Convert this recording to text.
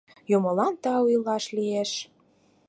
Юмылан тау, илаш лиеш.